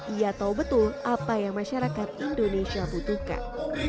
ia tahu betul apa yang masyarakat indonesia butuhkan